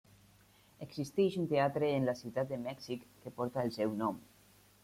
Existeix un teatre en la Ciutat de Mèxic que porta el seu nom.